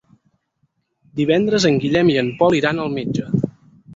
Divendres en Guillem i en Pol iran al metge.